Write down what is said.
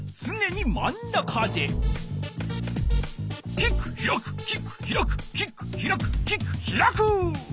キックひらくキックひらくキックひらくキックひらく！